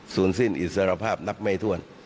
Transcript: สิ้นอิสรภาพนับไม่ถ้วน